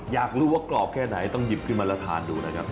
อยากรู้ว่ากรอบแค่ไหนต้องหยิบขึ้นมาแล้วทานดูนะครับ